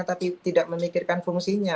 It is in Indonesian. tapi tidak memikirkan fungsinya